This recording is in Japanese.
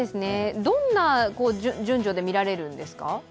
どんな順序で見られるんですか？